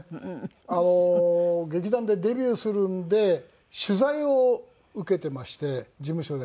あの劇団でデビューするんで取材を受けてまして事務所で。